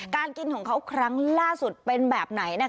กินของเขาครั้งล่าสุดเป็นแบบไหน